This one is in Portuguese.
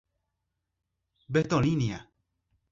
Bertolínia